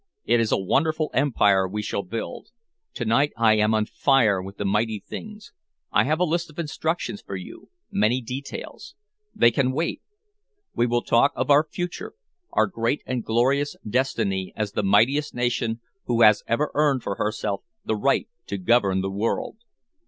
It is a wonderful empire we shall build. To night I am on fire with the mighty things. I have a list of instructions for you, many details. They can wait. We will talk of our future, our great and glorious destiny as the mightiest nation who has ever earned for herself the right to govern the world.